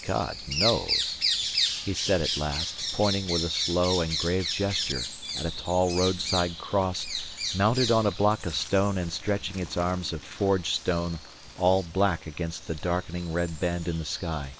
"God knows!" he said at last, pointing with a slow and grave gesture at a tall roadside cross mounted on a block of stone and stretching its arms of forged stone all black against the darkening red band in the sky.